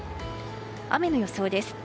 雨の予想です。